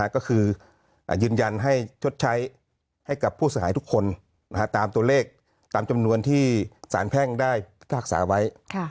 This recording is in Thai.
ก็คือยืนยันให้ชดใช้ให้กับผู้เสียหายทุกคนตามตัวเลขตามจำนวนที่สารแพ่งได้พิพากษาไว้